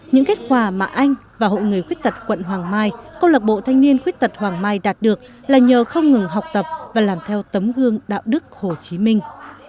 những kết quả mà anh và hội người khuyết tật quận hoàng mai câu lạc bộ thanh niên khuyết tật hoàng mai đạt được là nhờ không ngừng học tập và làm theo tấm gương đạo đức hồ chí minh